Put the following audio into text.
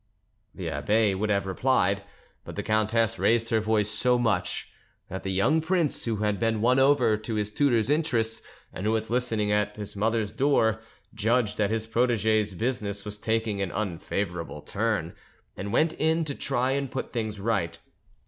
The abbe would have replied; but the countess raised her voice so much, that the young prince, who had been won over to his tutor's interests and who was listening at his mother's door, judged that his protege's business was taking an unfavourable turn; and went in to try and put things right.